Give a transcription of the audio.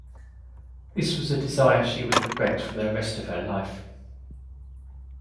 This was a desire she would regret for the rest of her life.